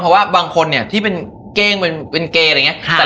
เพราะว่าบางคนเนี่ยที่เป็นเก้งเป็นเกย์อะไรอย่างนี้